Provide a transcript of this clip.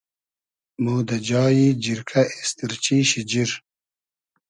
مۉ دۂ جایی جیرکۂ اېستیرچی, شیجیر